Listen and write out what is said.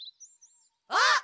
あっ。